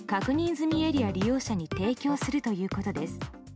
済エリア利用者に提供するということです。